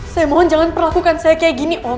saya mohon jangan perlakukan saya kayak gini oh